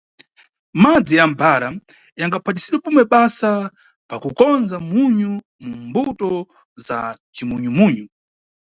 Madzi ya mʼbhara yangaphatisidwe pomwe basa pa kukonza munyu mu mbuto za cimunyu-munyu.